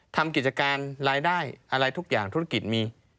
ทำกิจการรายได้อะไรทุกอย่างธุรกิจมี